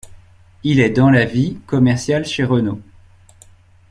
Il est dans la vie commercial chez Renault.